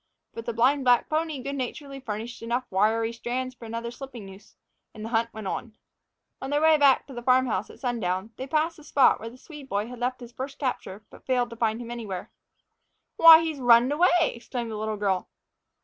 But the blind black pony good naturedly furnished enough wiry strands for another slipping noose, and the hunt went on. On their way to the farm house at sundown, they passed the spot where the Swede boy had left his first capture, but failed to find him anywhere. "Why, he's runned away!" exclaimed the little girl.